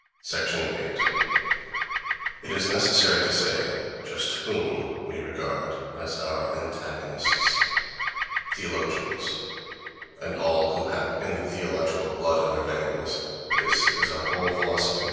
— 8. It is necessary to say just whom we regard as our antagonists: theologians and all who have any theological blood in their veins—this is our whole philosophy....